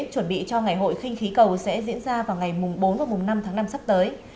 chuẩn bị cho ngày hội khinh khí cầu sẽ diễn ra vào ngày bốn và năm tháng năm sắp tới